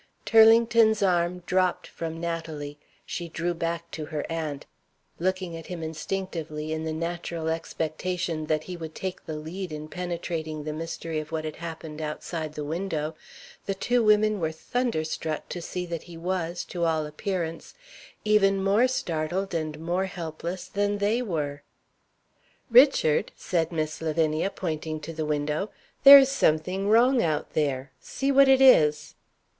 Turlington's arm dropped from Natalie. She drew back to her aunt. Looking at him instinctively, in the natural expectation that he would take the lead in penetrating the mystery of what had happened outside the window, the two women were thunderstruck to see that he was, to all appearance, even more startled and more helpless than they were. "Richard," said Miss Lavinia, pointing to the window, "there is something wrong out there. See what it is."